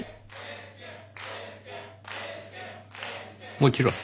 もちろん。